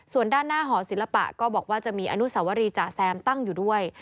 ส่วนด้านหน้าหอศิลปะก็บอกว่าจะมีอนุสาวรีจ๋าแซมตั้งอยู่ด้วย